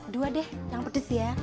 dua deh jangan pedas ya